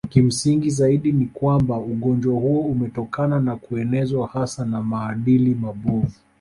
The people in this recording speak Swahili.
Kimsingi zaidi ni kwamba ugonjwa huo umetokana na kuenezwa hasa na maadili mabovu